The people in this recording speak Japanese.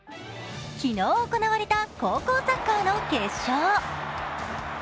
昨日行われた高校サッカーの決勝。